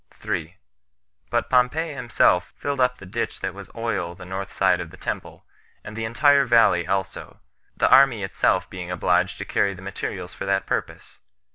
3. But Pompey himself filled up the ditch that was on the north side of the temple, and the entire valley also, the army itself being obliged to carry the materials for that purpose.